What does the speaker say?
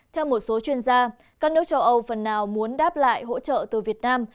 theo một số chuyên gia các nước châu âu phần nào muốn đáp lại hỗ trợ từ việt nam